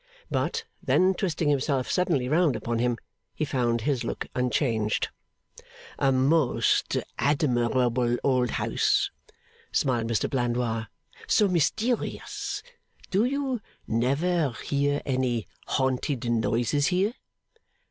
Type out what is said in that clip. But, then twisting himself suddenly round upon him, he found his look unchanged. 'A most admirable old house,' smiled Mr Blandois. 'So mysterious. Do you never hear any haunted noises here?